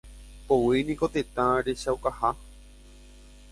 Poyvi niko tetã rechaukaha.